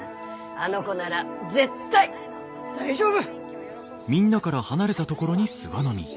あの子なら絶対大丈夫！